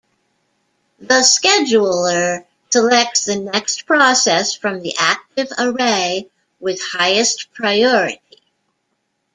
The scheduler selects the next process from the active array with highest priority.